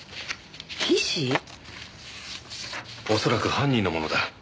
恐らく犯人のものだ。